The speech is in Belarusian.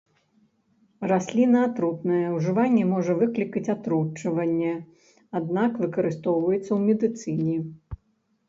Расліна атрутная, ужыванне можа выклікаць атручванне, аднак, выкарыстоўваецца ў медыцыне.